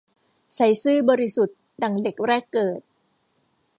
ใสซื่อบริสุทธิ์ดั่งเด็กแรกเกิด